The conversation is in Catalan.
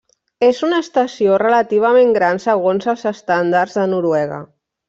És una estació relativament gran segons els estàndards de Noruega.